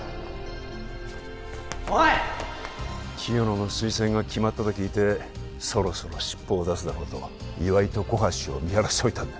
清野の推薦が決まったと聞いてそろそろ尻尾を出すだろうと岩井と小橋を見張らしといたんだ